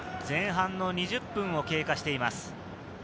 前半の２０分を経過しています。